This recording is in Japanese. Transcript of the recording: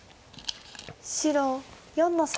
白４の三。